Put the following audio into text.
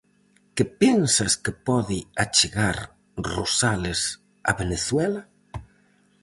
Que pensas que pode achegar Rosales a Venezuela?